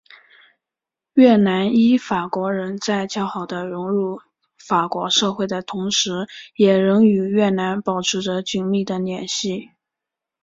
越南裔法国人在较好的融入法国社会的同时也仍与越南保持着紧密的联系。